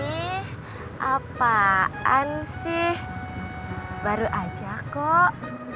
ini apaan sih baru aja kok